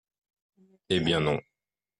Eh bien non